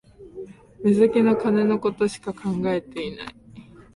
目先の金のことしか考えてない